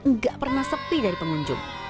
nggak pernah sepi dari pengunjung